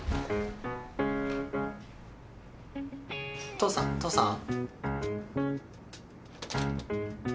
父さん父さん？